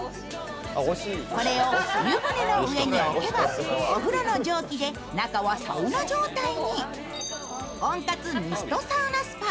これを湯船の上に置けば、お風呂の蒸気で中はサウナ状態に。